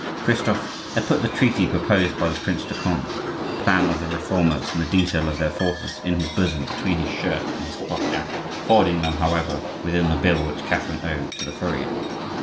Christophe had put the treaty proposed by the Prince de Conde, the plan of the Reformers, and the detail of their forces in his bosom between his shirt and his cloth jacket, folding them, however, within the bill which Catherine owed to the furrier.